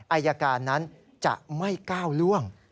อายการนั้นจะไม่ก้าวล่วง